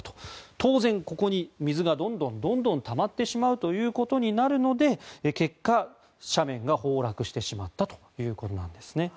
当然、ここに水がどんどんたまってしまうということになるので結果、斜面が崩落してしまったということなんです。